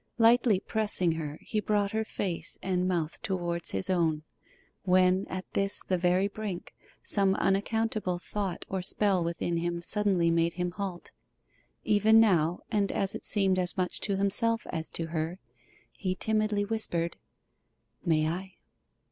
Lightly pressing her, he brought her face and mouth towards his own; when, at this the very brink, some unaccountable thought or spell within him suddenly made him halt even now, and as it seemed as much to himself as to her, he timidly whispered 'May I?